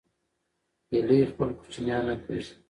هیلۍ خپل کوچنیان نه پرېږدي